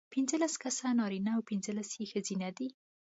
پینځلس کسه نارینه او پینځلس یې ښځینه دي.